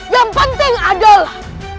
yang penting adalah